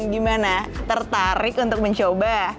gimana tertarik untuk mencoba